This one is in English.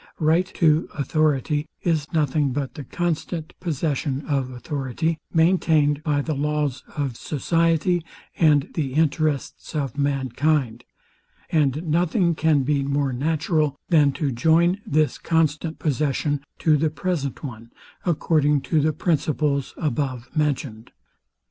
Right to authority is nothing but the constant possession of authority, maintained by the laws of society and the interests of mankind; and nothing can be more natural than to join this constant possession to the present one, according to the principles above mentioned.